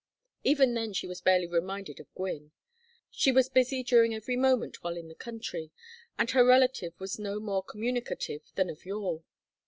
Even then she was barely reminded of Gwynne. She was busy during every moment while in the country, and her relative was no more communicative than of yore.